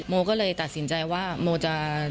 โมก็เลยตัดสินใจว่าโมจะ